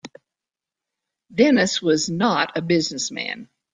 Dennis was not a business man.